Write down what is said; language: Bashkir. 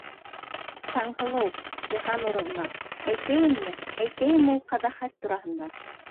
Таңһылыу Йыһаннуровна, әйтәйемме, әйтәйемме ул ҡәбәхәт тураһында?